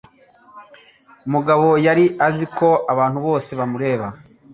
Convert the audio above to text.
Mugabo yari azi ko abantu bose bamureba.